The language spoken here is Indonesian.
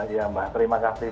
ya mbak terima kasih